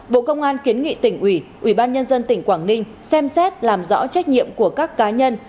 bộ công an kiến nghị tỉnh ủy ủy ban nhân dân tỉnh quảng ninh xem xét làm rõ trách nhiệm của các cá nhân